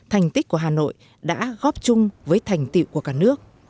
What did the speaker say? thành tích của hà nội đã góp chung với thành tiệu của cả nước